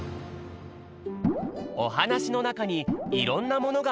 おはなしのなかにいろんなものがかくれているよ。